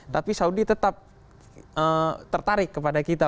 tapi saudi tetap tertarik kepada kita